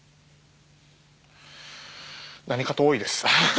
何かと多いですハハハ